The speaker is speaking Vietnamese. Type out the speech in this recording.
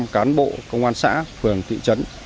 một trăm linh cán bộ công an xã phường thị trấn